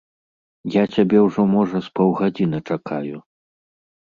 Я цябе ўжо, можа, з паўгадзіны чакаю.